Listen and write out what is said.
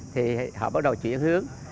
thì họ bắt đầu chuyển hướng